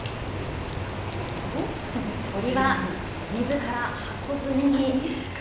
鳥はみずから箱詰めに。